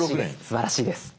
すばらしいです。